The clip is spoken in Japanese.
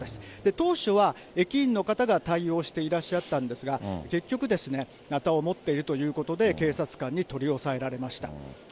当初は、駅員の方が対応していらっしゃったんですが、結局、なたを持っているということで、警察官に取り押さえられました。